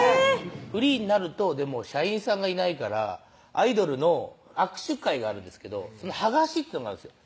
フリーになると社員さんがいないからアイドルの握手会があるんですけど剥がしっていうのがあるんですよ